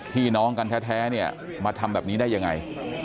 พี่น้องกันแท้เนี่ยมาทำแบบนี้ได้ยังไง